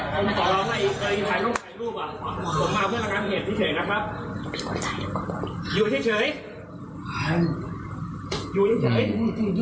เดี๋ยวมีคนเยอะเฉย